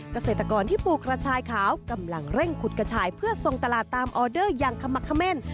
เกษตรกรที่ปลูกกระชายขาวกำลังเร่งขุดกระชายเพื่อทรงตลาดตามออเดอร์อย่างขมักเม่น